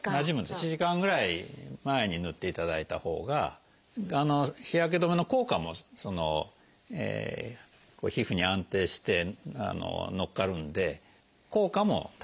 １時間ぐらい前に塗っていただいたほうが日焼け止めの効果もその皮膚に安定して乗っかるんで効果も高くなりますし。